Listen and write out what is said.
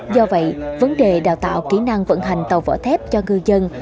do vậy vấn đề đào tạo kỹ năng vận hành tàu vỏ thép cho ngư dân